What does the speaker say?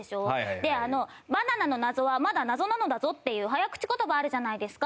であの「バナナの謎はまだ謎なのだぞ」っていう早口言葉あるじゃないですか。